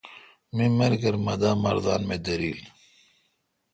می ملگر مہ دا مردان می دیرل۔